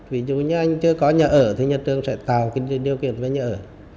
ví dụ như anh chưa có nhà ở thì nhà trường sẽ tạo điều kiện với nhà ở